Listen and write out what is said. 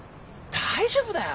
大丈夫だよ。